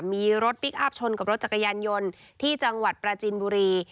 มีรถพลิกอัพชนกับรถจักรยานยนต์ที่จังหวัดปราจินบุรี